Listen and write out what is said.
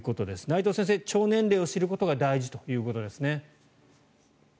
内藤先生、腸年齢を知ることが大事ということですね。